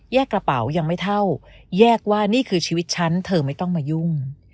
กระเป๋ายังไม่เท่าแยกว่านี่คือชีวิตฉันเธอไม่ต้องมายุ่ง